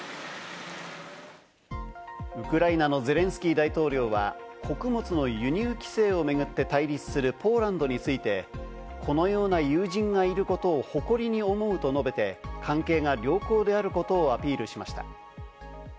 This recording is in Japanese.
ウクライナのゼレンスキー大統領は、穀物の輸入規制を巡って対立するポーランドについて、このような友人がいることを誇りに思うと述べて、関係が良好であることをアピールしました。